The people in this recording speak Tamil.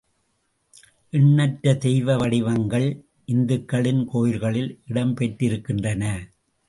எண்ணற்ற தெய்வ வடிவங்கள் இந்துக்களின் கோயில்களில் இடம்பெற்றிருக்கின்றன.